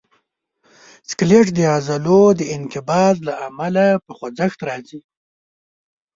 سکلیټ د عضلو د انقباض له امله په خوځښت راځي.